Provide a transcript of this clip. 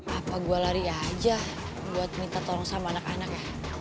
apa gue lari aja buat minta tolong sama anak anak ya